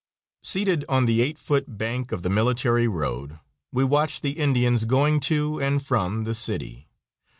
Seated on the eight foot bank of the military road, we watched the Indians going to and from the city.